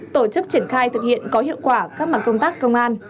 tổ chức triển khai thực hiện có hiệu quả các mặt công tác công an